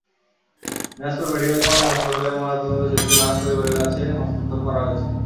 Dinajpur medical college হাসপাতালে ময়নাতদন্ত শেষে লাশ পরিবারের কাছে হস্তান্তর করা হয়েছে।